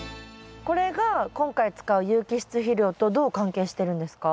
これが今回使う有機質肥料とどう関係してるんですか？